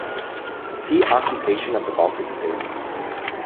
See Occupation of the Baltic states.